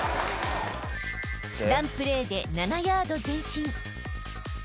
［ランプレーで７ヤード前進］